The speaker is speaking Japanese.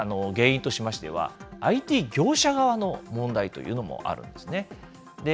もう一つの問題点、原因としましては、ＩＴ業者側の問題というのもあるんですね。